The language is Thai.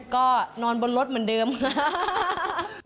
ก็นอนบนรถเหมือนเดิมครับ